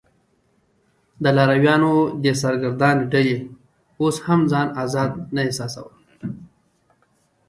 د لارویانو دې سرګردانه ډلې اوس هم ځان آزاد نه احساساوه.